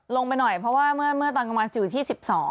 ลงไปหน่อยเพราะว่าเมื่อตอนกำลังอยู่ที่๑๒